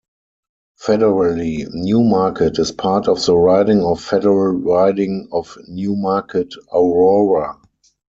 Federally, Newmarket is part of the riding of federal riding of Newmarket-Aurora.